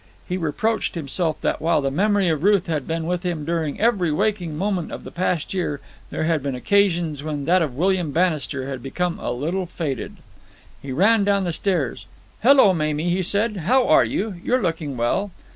He reproached himself that, while the memory of Ruth had been with him during every waking moment of the past year, there had been occasions when that of William Bannister had become a little faded. He ran down the stairs. "Hello, Mamie!" he said. "How are you? You're looking well."